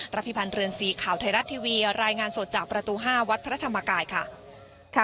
พิพันธ์เรือนสีข่าวไทยรัฐทีวีรายงานสดจากประตู๕วัดพระธรรมกายค่ะ